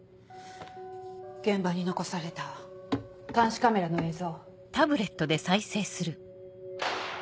現場に残された監視カメラの映像。